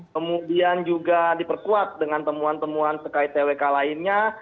kemudian juga diperkuat dengan temuan temuan sekait twk lainnya